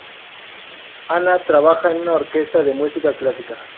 Anna trabaja en una orquesta de música clásica.